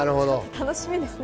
楽しみですね。